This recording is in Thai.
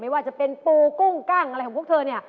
ไม่ว่าจะเป็นปูกุ้งกล้างอะไรของพวกเธอ